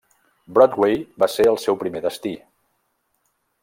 Broadway va ser el seu primer destí.